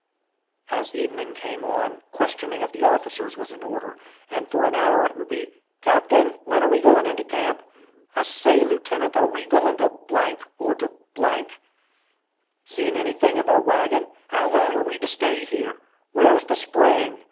As evening came on, questioning of the officers was in order, and for an hour it would be, "Captain, when are we going into camp?" "I say, lieutenant, are we going to or to ?" "Seen anything of our wagon?" "How long are we to stay here?" "Where's the spring?"